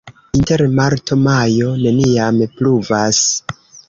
Inter marto-majo neniam pluvas.